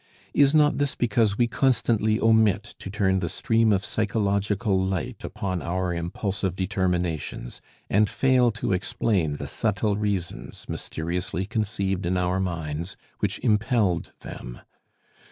Is not this because we constantly omit to turn the stream of psychological light upon our impulsive determinations, and fail to explain the subtile reasons, mysteriously conceived in our minds, which impelled them?